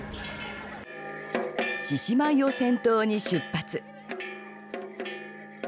獅子舞を先頭に出発。